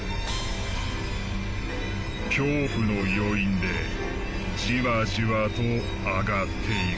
恐怖の余韻でじわじわと上がっていく。